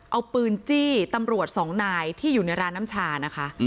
เอาปืนจี้ตำรวจสองนายที่อยู่ในร้านน้ำชานะคะ